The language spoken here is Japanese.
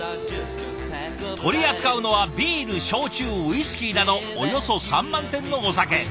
取り扱うのはビール焼酎ウイスキーなどおよそ３万点のお酒。